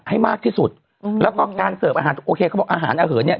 ให้มากที่สุดอืมแล้วก็การเสิร์ฟอาหารโอเคเขาบอกอาหารอเหินเนี้ย